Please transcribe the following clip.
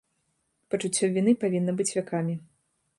Пачуццё віны павінна быць вякамі.